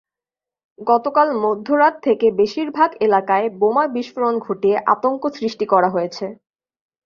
গতকাল মধ্যরাত থেকে বেশির ভাগ এলাকায় বোমা বিস্ফোরণ ঘটিয়ে আতঙ্ক সৃষ্টি করা হয়েছে।